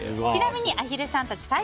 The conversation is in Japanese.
ちなみにアヒルさんたち